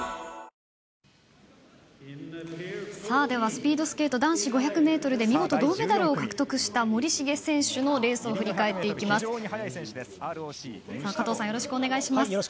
ではスピードスケート男子５００ｍで見事、銅メダルを獲得した森重選手のレースを振り返っていきます。